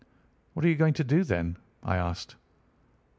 "What are you going to do, then?" I asked.